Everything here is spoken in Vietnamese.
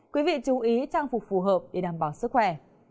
quý vị chú ý trang phục phù hợp để đảm bảo sức khỏe